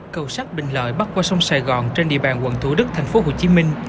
cầu sắt bình lợi bắt qua sông sài gòn trên địa bàn quận thủ đức tp hcm